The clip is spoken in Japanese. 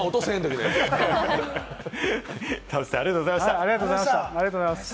田臥さん、ありがとうございました。